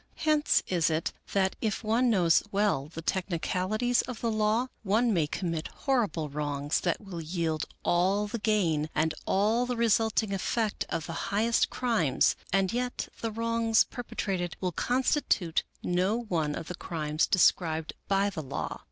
Hence is it, that if one knows well the technicalities of the law, one may commit horrible wrongs that will yield all the gain and all the resulting effect of the highest crimes, and yet the wrongs perpetrated will constitute no one of the crimes described by the law.